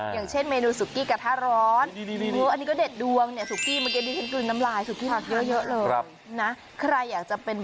อย่างเช่นเมนูสุกี้กระทะร้อน